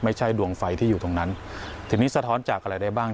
ไม่ใช่ดวงไฟที่อยู่ตรงนั้นทีนี้สะท้อนจากอะไรได้บ้าง